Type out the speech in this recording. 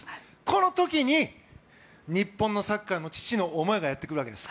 この時に日本のサッカーの父の思いがやってくるわけです。